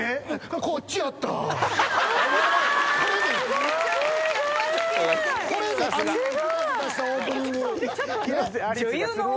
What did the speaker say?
こっちやったー。